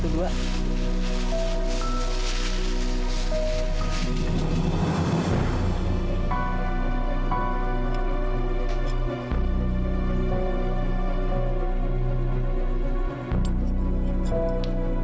beberapa hari kinds dengan mu